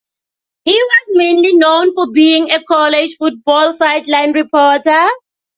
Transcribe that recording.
He was mainly known for being a college football sideline reporter.